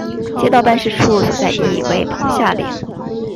街道办事处所在地为棚下岭。